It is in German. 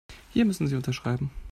Hier müssen Sie unterschreiben.